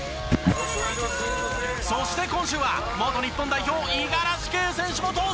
そして今週は元日本代表五十嵐圭選手も登場！